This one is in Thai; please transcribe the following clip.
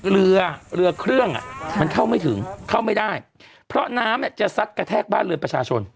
เรือเรือเครื่องอ่ะมันเข้าไม่ถึงเข้าไม่ได้เพราะน้ำจะซัดกระแทกบ้านเรือนประชาชน